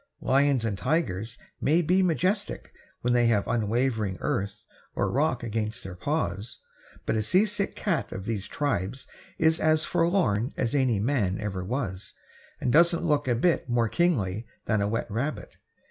Lions and tigers may be majestic when they have unwavering earth or rock against their paws, but a seasick cat of these tribes is as forlorn as any man ever was, and doesn't look a bit more kingly than a wet rabbit.